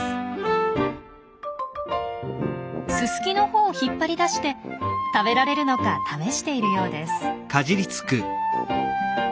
ススキの穂を引っ張り出して食べられるのか試しているようです。